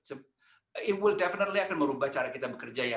tapi itu pasti akan merubah cara kita bekerja ya